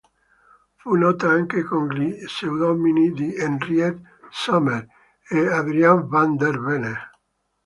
Fu nota anche con gli pseudonimi di "Henriette Sommer" e "Adrian van der Venne".